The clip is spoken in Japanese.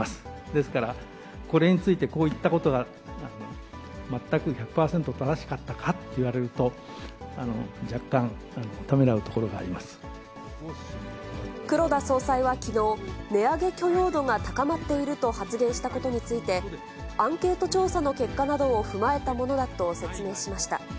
ですから、これについて、こう言ったことが全く１００％正しかったかと言われると、黒田総裁はきのう、値上げ許容度が高まっていると発言したことについて、アンケート調査の結果などを踏まえたものだと説明しました。